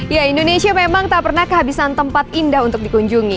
ya indonesia memang tak pernah kehabisan tempat indah untuk dikunjungi